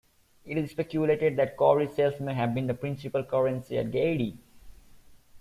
It is speculated that cowrie shells may have been the principal currency at Gedi.